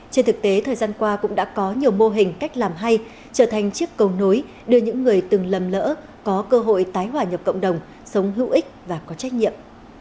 trên thực tế thời gian qua cũng đã có nhiều mô hình cách làm hay trở thành chiếc cầu nối đưa những người từng lầm lỡ có cơ hội tái hòa nhập cộng đồng sống hữu ích và có trách nhiệm